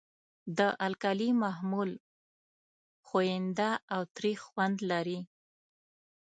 د القلي محلول ښوینده او تریخ خوند لري.